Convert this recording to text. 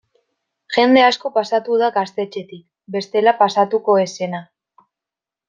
Jende asko pasatu da gaztetxetik bestela pasatuko ez zena.